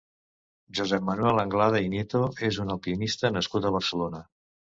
Josep Manuel Anglada i Nieto és un alpinista nascut a Barcelona.